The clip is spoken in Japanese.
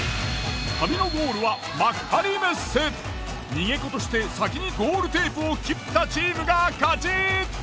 旅の逃げ子として先にゴールテープを切ったチームが勝ち。